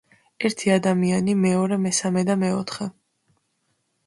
ერთი ადამიანი, მეორე, მესამე და მეოთხე.